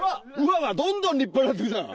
どんどん立派になって行くじゃん。